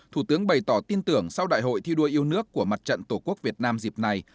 thủ tướng bày tỏ tin tưởng sau đại hội thi đua yêu nước của mặt trận tổ quốc việt nam dịp này